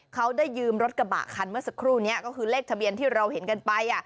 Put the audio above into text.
เขาได้ยืมรถกระบะคันเมื่อสักครู่นี้ก็คือเลขทะเบียนที่เราเห็นกันไป